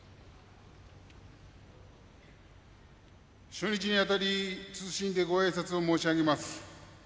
初日にあたり謹んでごあいさつを申し上げます。